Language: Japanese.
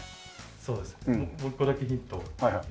そうですかもう１個だけヒントを。